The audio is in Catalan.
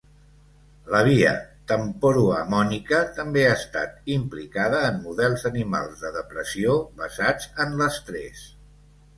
La via temporo-amònica també ha estat implicada en models animals de depressió basats en l'estrès.